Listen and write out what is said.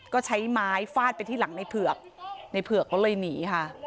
ก็ใช้ไม้ฟาดไปที่หลังในเผือกในเผือกก็เลยหนีค่ะ